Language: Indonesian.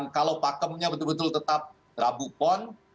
kalau pakemnya betul betul tetap drabupon